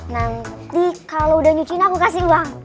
nanti kalau udah nyuciin aku kasih uang